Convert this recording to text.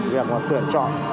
việc tựa chọn